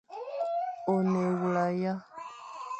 One ewula ya?